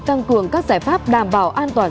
tăng cường các giải pháp đảm bảo an toàn